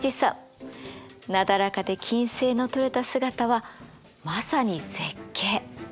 なだらかで均斉の取れた姿はまさに絶景。